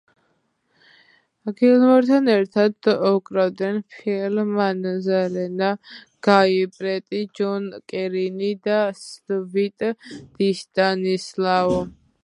გილმორთან ერთად უკრავდნენ ფილ მანზანერა, გაი პრეტი, ჯონ კერინი და სტივ დისტანისლაო.